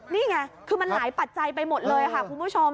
นี่ไงคือมันหลายปัจจัยไปหมดเลยค่ะคุณผู้ชม